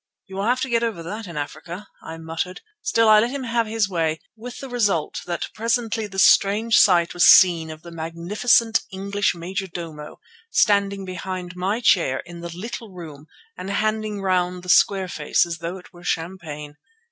"You will have to get over that in Africa," I muttered. Still I let him have his way, with the result that presently the strange sight was seen of the magnificent English majordomo standing behind my chair in the little room and handing round the square face as though it were champagne.